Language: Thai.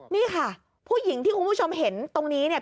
นี่ค่ะผู้หญิงที่คุณผู้ชมเห็นตรงนี้เนี่ย